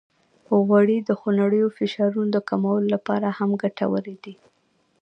غوړې د خونړیو فشارونو د کمولو لپاره هم ګټورې دي.